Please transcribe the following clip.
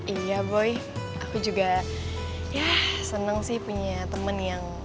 iya boy aku juga ya seneng sih punya teman yang